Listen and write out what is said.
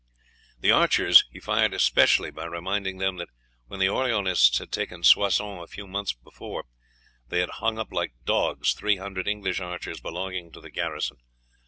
The archers he fired especially by reminding them that when the Orleanists had taken Soissons a few months before they had hung up like dogs three hundred English archers belonging to the garrison.